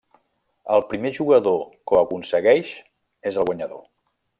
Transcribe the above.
El primer jugador que ho aconsegueix és el guanyador.